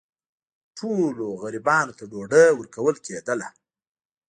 ټولو غریبانو ته ډوډۍ ورکول کېدله.